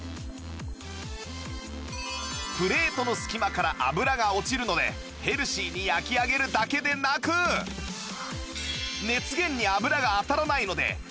プレートの隙間から油が落ちるのでヘルシーに焼きあげるだけでなく熱源に油が当たらないので煙が出にくく